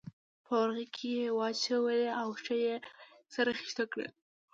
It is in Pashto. په ورغوي کې یې واچولې او ښه یې سره خیشته کړل.